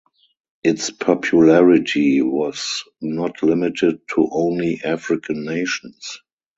Its popularity was not limited to only African nations.